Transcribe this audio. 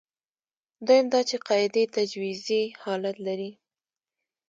دویم دا چې قاعدې تجویزي حالت لري.